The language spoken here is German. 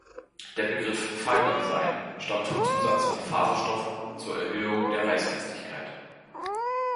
Der Begriff „Fiber Design“ stammt vom Zusatz von Faserstoffe zur Erhöhung der Reißfestigkeit.